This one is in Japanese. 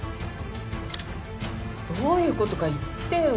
どういう事か言ってよ。